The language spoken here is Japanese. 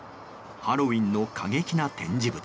ハロウィーンの過激な展示物。